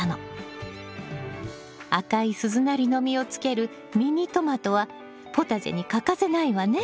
赤い鈴なりの実をつけるミニトマトはポタジェに欠かせないわね。